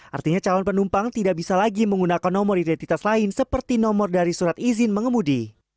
artinya calon penumpang tidak bisa lagi menggunakan nomor identitas lain seperti nomor dari surat izin mengemudi